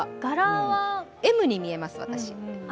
Ｍに見えます、私。